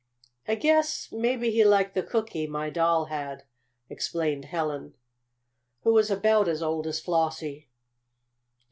"I I guess maybe he liked the cookie my doll had," explained Helen, who was about as old as Flossie.